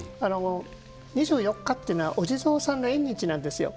２４日というのはお地蔵さんの縁日なんですよ。